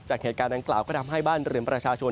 เหตุการณ์ดังกล่าวก็ทำให้บ้านเรือนประชาชน